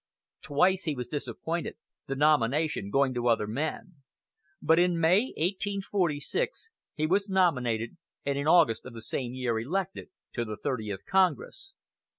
Twice he was disappointed, the nomination going to other men; but in May, 1846, he was nominated, and in August of the same year elected, to the Thirtieth Congress.